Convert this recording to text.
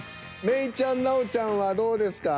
芽郁ちゃん奈緒ちゃんはどうですか？